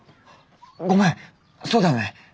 ごめんそうだよね。